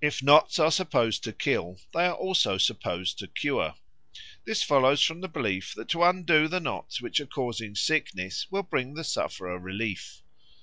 If knots are supposed to kill, they are also supposed to cure. This follows from the belief that to undo the knots which are causing sickness will bring the sufferer relief.